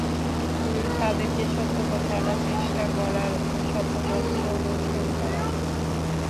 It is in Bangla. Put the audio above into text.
তাদেরকে সত্য পথে আনার চেষ্টা করার ও সত্য পথ প্রদর্শন করার।